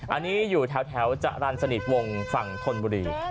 อันนี้อยู่แถวจรรย์สนิทวงฝั่งธนบุรี